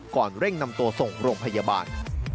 เร่งนำตัวส่งโรงพยาบาล